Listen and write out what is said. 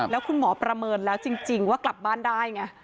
แล้วคุณหมอประเมินแล้วจริงว่ากลับบ้านได้ไง